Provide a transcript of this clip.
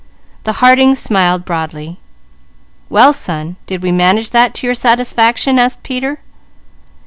The Hardings smiled broadly. "Well son, did we manage that to your satisfaction?" asked Peter.